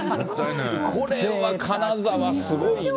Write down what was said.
これは、金沢すごいな。